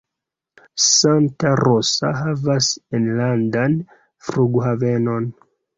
Santa Rosa havas enlandan flughavenon.